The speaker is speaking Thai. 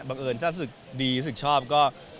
บังเอิญถ้ารู้สึกดีรู้สึกชอบก็